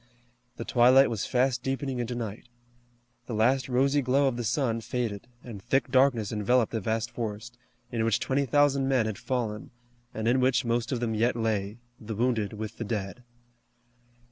The twilight was fast deepening into night. The last rosy glow of the sun faded, and thick darkness enveloped the vast forest, in which twenty thousand men had fallen, and in which most of them yet lay, the wounded with the dead.